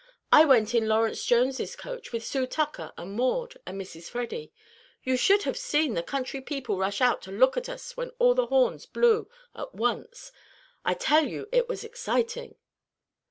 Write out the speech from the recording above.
I went in Lawrence Jones's coach, with Sue Tucker and Maude and Mrs. Freddy. You should have seen the country people rush out to look at us when all the horns blew at once. I tell you it was exciting."